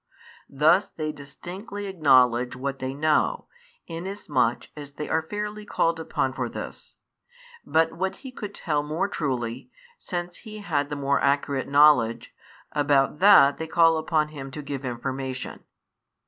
Thus they distinctly acknowledge what they know, inasmuch as they are fairly called upon for this; but what he could tell more truly, since he had the more accurate knowledge, about that they call upon him to give information.